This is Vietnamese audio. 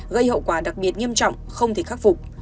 gây hậu quả đặc biệt nghiêm trọng không thể khắc phục